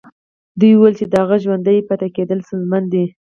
دوی ويل چې د هغه ژوندي پاتې کېدل ستونزمن دي.